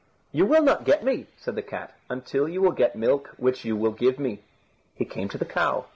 "You will not get me," said the cat, "until you will get milk which you will give me." He came to the cow.